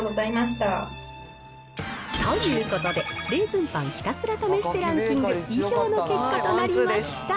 ということで、レーズンパンひたすら試してランキング、以上の結果となりました。